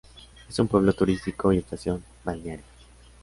Es un pueblo turístico y estación balnearia.